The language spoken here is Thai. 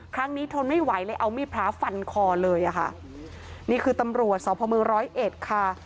ทนไม่ไหวเลยเอามีดพระฟันคอเลยอ่ะค่ะนี่คือตำรวจสพมร้อยเอ็ดค่ะ